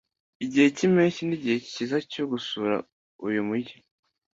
Igihe cy'impeshyi nigihe cyiza cyo gusura uyu mujyi